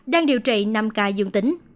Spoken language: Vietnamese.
đang điều trị năm ca dường tính